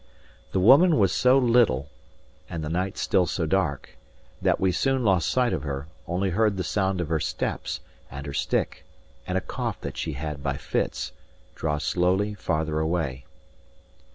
The woman was so little, and the night still so dark, that we soon lost sight of her; only heard the sound of her steps, and her stick, and a cough that she had by fits, draw slowly farther away.